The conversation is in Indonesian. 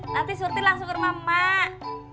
nanti surti langsung ke rumah emak emak